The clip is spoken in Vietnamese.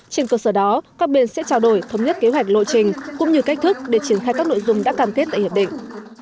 trên cơ sở đó các bên sẽ trao đổi thống nhất kế hoạch lộ trình cũng như cách thức để triển khai các nội dung đã cam kết tại hiệp định